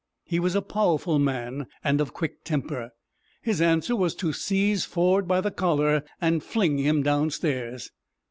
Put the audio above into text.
He was a powerful man, and of quick temper. His answer was to seize Ford by the collar and fling him downstairs.